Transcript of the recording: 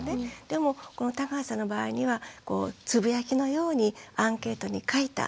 でもこの田川さんの場合にはつぶやきのようにアンケートに書いた。